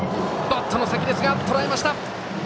バットの先ですがとらえました！